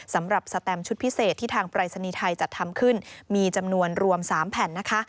สำหรับสแตมชุดพิเศษที่ทางปรายศนีย์ไทยจัดทำขึ้นมีจำนวนรวม๓แผ่นนะคะ